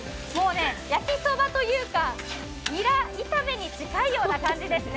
焼きそばというかニラ炒めに近いような感じですね。